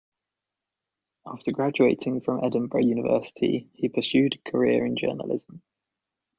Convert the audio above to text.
After graduating from Edinburgh University he pursued a career in journalism.